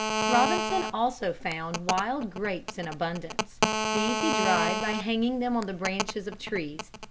Robinson also found wild grapes in abundance. These he dried by hanging them on the branches of trees.